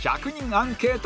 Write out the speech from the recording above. アンケート